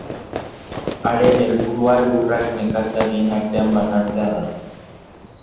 Haren helburua lurrak nekazarien artean banatzea da.